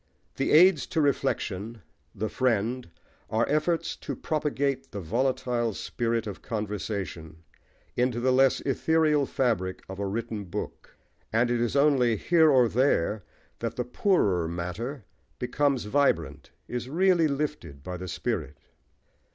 The Aids to Reflection, The Friend, are efforts to propagate the volatile spirit of conversation into the less ethereal fabric of a written book; and it is only here or there that the poorer matter becomes vibrant, is really lifted by the spirit.